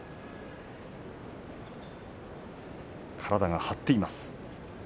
体が張っています。